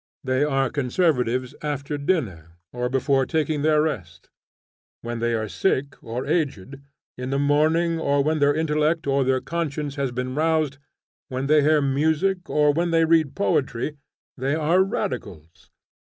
They are conservatives after dinner, or before taking their rest; when they are sick, or aged: in the morning, or when their intellect or their conscience has been aroused; when they hear music, or when they read poetry, they are radicals.